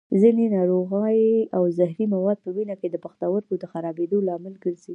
ځینې ناروغۍ او زهري مواد په وینه کې د پښتورګو د خرابېدو لامل ګرځي.